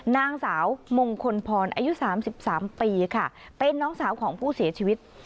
นางสาวมงคลพรอายุ๓๓ปีค่ะเป็นน้องสาวของผู้เสียชีวิต